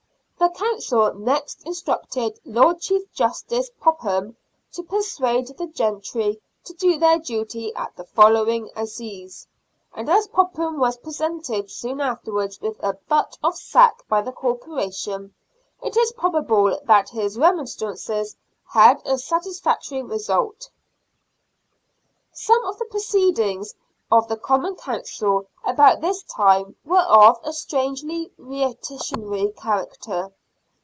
The Council next instructed Lord Chief Justice Popham to " persuade " the gentry to do their duty at the following assizes, and as Popham was presented soon afterwards with a butt of sack by the Corporation, it is probable that his remon strances had a satisfactory result. Some of the proceedings of the Common Council about this time were of a strangely reactionary character.